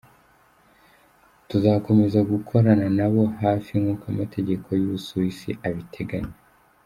Tuzakomeza gukorana na bo hafi nk’uko amategeko y’u Busuwisi abiteganya.